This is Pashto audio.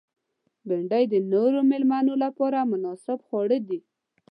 بېنډۍ د نوو مېلمنو لپاره مناسب خواړه دي